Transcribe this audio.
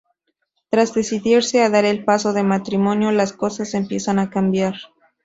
Tras decidirse a dar el paso del matrimonio, las cosas empiezan a cambiar.